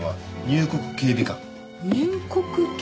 入国警備官？